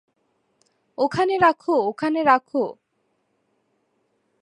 ওখানে রাখো, ওখানে রাখো।